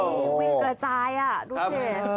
วิ่งกระจายดูสิ